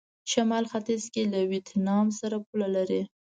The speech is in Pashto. شمال ختيځ کې له ویتنام سره پوله لري.